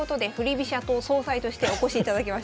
飛車党総裁としてお越しいただきました。